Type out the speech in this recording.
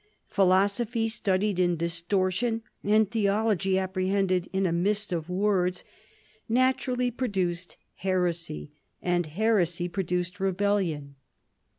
Philosophy studied in distortion, and theology apprehended in a mist of words, naturally produced heresy, and heresy produced rebellion.